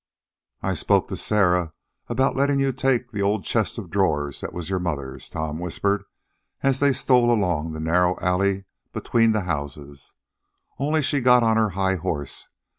"I spoke to Sarah about lettin' you take the old chest of drawers that was your mother's," Tom whispered, as they stole along the narrow alley between the houses. "Only she got on her high horse.